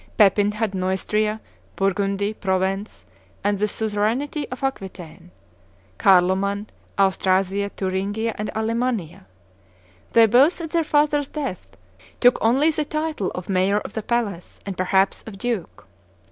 Pepin had Neustria, Burgundy, Provence, and the suzerainty of Aquitaine; Carloman, Austrasia, Thuringia, and Allemannia. They both, at their father's death, took only the title of mayor of the palace, and, perhaps, of duke.